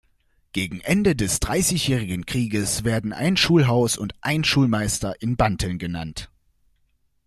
Gegen Ende des Dreißigjährigen Krieges werden ein Schulhaus und ein Schulmeister in Banteln genannt.